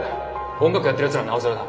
音楽やってるやつならなおさらだ。